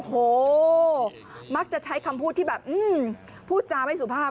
โหมักจะใช้คำพูดที่แบบพูดจาไม่สุภาพ